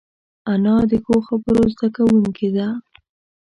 انا د ښو خبرو زده کوونکې ده